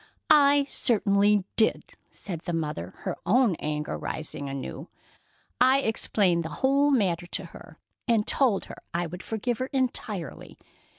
"I certainly did," said the mother, her own anger rising anew. "I explained the whole matter to her, and told her I would forgive her entirely.